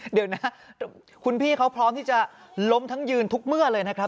เดี๋ยวนะคุณพี่เขาพร้อมที่จะล้มทั้งยืนทุกเมื่อเลยนะครับ